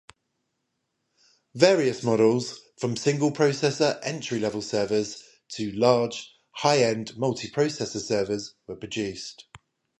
Various models, from single-processor entry-level servers to large high-end multiprocessor servers were produced.